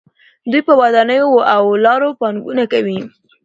دوی په ودانیو او لارو پانګونه کوي.